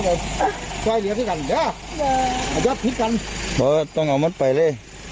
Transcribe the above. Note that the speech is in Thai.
แม่เชียวอยู่ไหนกับลูกแม่นี่สวยมาเลย